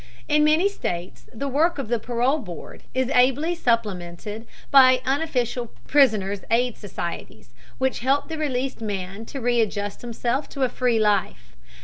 In many states the work of the parole board is ably supplemented by unofficial prisoners' aid societies which help the released man to readjust himself to a free life.